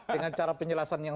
dengan cara penjelasan yang